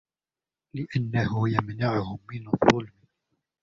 لِأَنَّهُ يَمْنَعُهُمْ مِنْ الظُّلْمِ